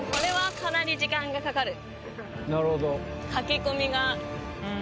なるほど。